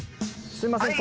すいません